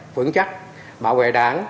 vững chắc bảo vệ đảng